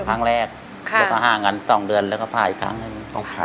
ผ่าไปครั้งแรกห่างกัน๒เดือนแล้วก็ผ่าอีกครั้งหนึ่ง